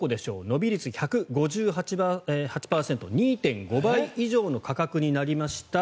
伸び率１５８％２．５倍以上の価格になりました。